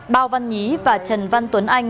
bao văn nhí và trần văn tuấn anh